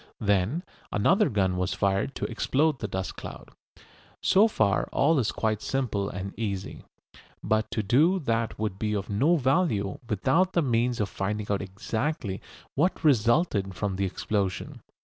Then another gun was fired to explode the dust cloud. So far all is quite simple and easy. But to do that would be of no value without the means of finding out exactly what resulted from the explosion.